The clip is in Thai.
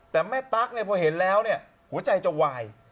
แต่แม่ตั๊กเนี่ยเพราะเห็นแล้วหัวใจจะวาย